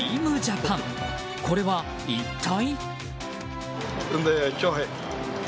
これは一体。